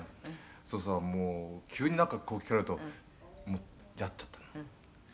そしたらもう急になんかこう聞かれるともうやっちゃったの」